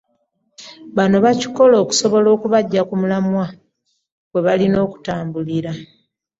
Bano Bakikola okusobola okubaggya ku mulamwa kwe balina okutambulira.